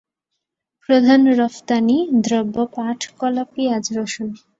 প্রধান রপ্তানিদ্রব্য পাট, কলা, পিঁয়াজ, রসুন।